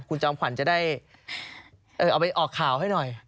คุณจอมขวัญจะได้เอาไปออกข่าวให้หน่อย